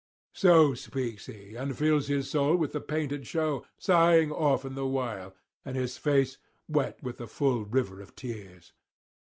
So speaks he, and fills his soul with the painted show, sighing often the while, and his face wet with a full river of tears.